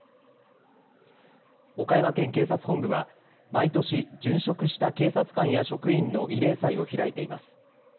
岡山県警察本部は毎年、殉職した警察官や職員の慰霊祭を開いています。